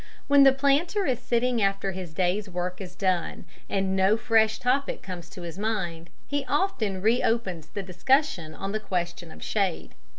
When the planter is sitting after his day's work is done, and no fresh topic comes to his mind, he often re opens the discussion on the question of shade.